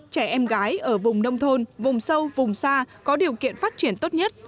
trẻ em gái ở vùng nông thôn vùng sâu vùng xa có điều kiện phát triển tốt nhất